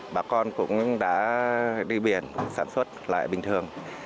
bà con cũng đã đi biển sản xuất lại bình thường